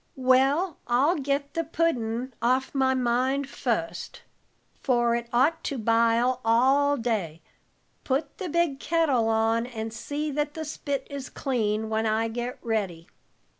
"Well, I'll get the puddin' off my mind fust, for it ought to bile all day. Put the big kettle on, and see that the spit is clean, while I get ready."